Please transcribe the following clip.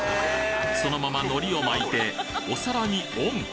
そのまま海苔を巻いてお皿にオン！